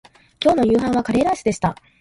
今日の夕飯はカレーライスでした